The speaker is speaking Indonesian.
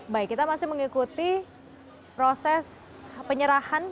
baik kita masih mengikuti proses penyerahan